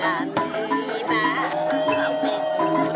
syair kuno dayak tadan